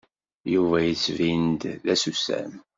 Yuba yettbin-d d asusam.